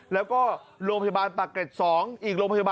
แล้วก็โรงพยาบาลปากเกร็ด๒อีกโรงพยาบาล